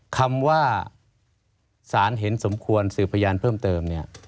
คำว่าสารเห็นสมควรสืบพยานเพิ่มเติมเนี่ย